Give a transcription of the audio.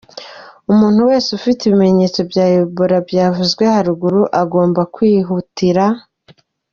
Umuntu wese ufite ibimenyetso bya Ebola byavuzwe haruguru agomba kwihutira .